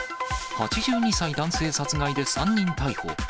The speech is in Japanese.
８２歳男性殺害で３人逮捕。